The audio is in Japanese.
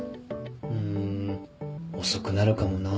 うん遅くなるかもな。